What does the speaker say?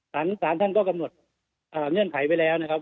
สารท่านก็กำหนดเงื่อนไขไว้แล้วนะครับ